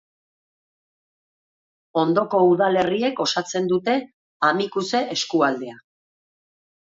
Ondoko udalerriek osatzen dute Amikuze eskualdea.